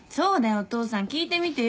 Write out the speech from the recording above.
お父さん聞いてみてよ